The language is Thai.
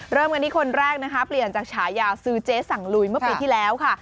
เริ่มกันที่คนแรกนะคะเปลี่ยนจากฉายาซื้อเจ๊สั่งลุยเมื่อปีที่แล้วค่ะ